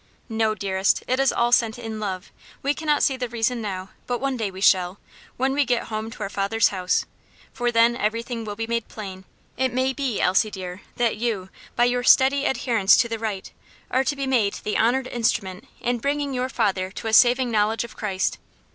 "No, dearest, it is all sent in love; we cannot see the reason now, but one day we shall when we get home to our Father's house, for then everything will be made plain; it may be, Elsie dear, that you, by your steady adherence to the right, are to be made the honored instrument in bringing your father to a saving knowledge of Christ.